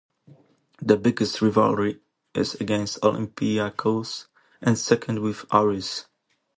The biggest rivalry is against Olympiacos and second with Aris.